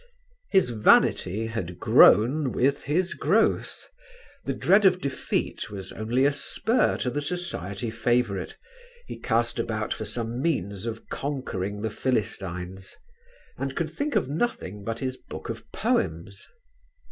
His vanity had grown with his growth; the dread of defeat was only a spur to the society favourite; he cast about for some means of conquering the Philistines, and could think of nothing but his book of poems.